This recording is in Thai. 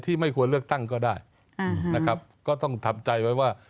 ไม่ควรเลือกตั้งก็ได้นะครับก็ต้องทำใจไว้ว่า